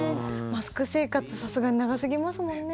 マスク生活、さすがに長すぎますもんね。